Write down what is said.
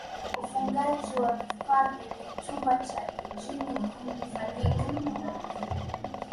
ufungaji wa vifaa kwenye chumba cha injini ulifanyika